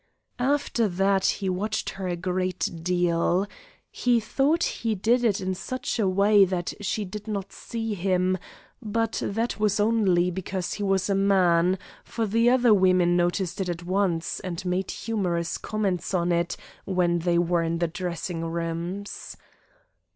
After that he watched her a great deal. He thought he did it in such a way that she did not see him, but that was only because he was a man; for the other women noticed it at once, and made humorous comments on it when they were in the dressing rooms.